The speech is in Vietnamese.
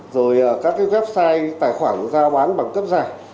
rồi các website tài khoản giao bán bằng cấp giải